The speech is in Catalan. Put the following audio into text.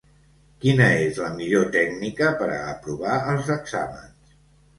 Quina és la millor tècnica per a aprovar els exàmens?